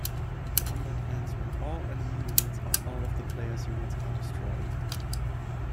Combat ends when all enemy units or all of the player's units are destroyed.